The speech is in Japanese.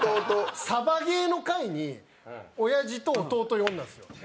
サバゲーの回におやじと弟呼んだんですよ。